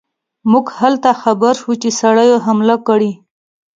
موږ هلته خبر شو چې سړیو حمله کړې.